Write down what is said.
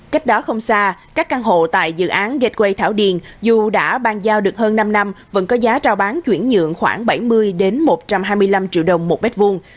cách đó không xa các căn hộ tại dự án gateway thảo điền dù đã ban giao được hơn năm năm vẫn có giá trao bán chuyển nhượng khoảng bảy mươi một trăm hai mươi năm triệu đồng một mét vuông